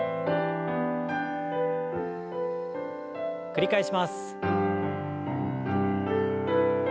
繰り返します。